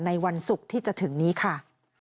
วันศุกร์ที่จะถึงนี้ค่ะ